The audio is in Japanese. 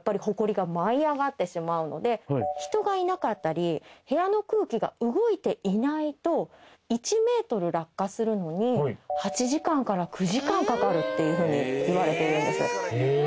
人がいなかったり部屋の空気が動いていないと１ｍ落下するのに８時間から９時間かかるっていうふうに言われているんです。え。